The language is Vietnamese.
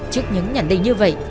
trước những nhận định như vậy